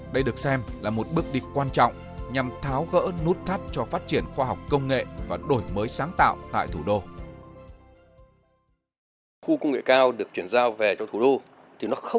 đây được xem là một bước đi quan trọng nhằm tháo gỡ nút thắt cho phát triển khoa học công nghệ và đổi mới sáng tạo tại thủ đô